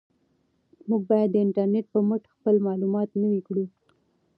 موږ باید د انټرنیټ په مټ خپل معلومات نوي کړو.